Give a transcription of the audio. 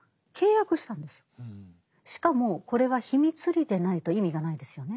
しかもこれは秘密裏でないと意味がないですよね。